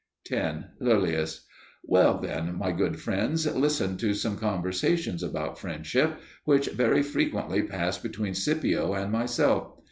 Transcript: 10. Loelius. Well, then, my good friends, listen to some conversations about friendship which very frequently passed between Scipio and myself.